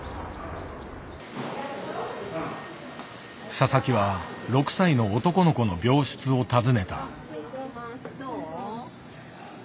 佐々木は６歳の男の子の病室を訪ねた。